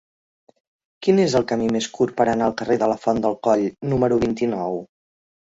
Quin és el camí més curt per anar al carrer de la Font del Coll número vint-i-nou?